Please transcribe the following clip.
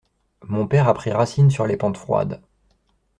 Mon père a pris racine sur les pentes froides.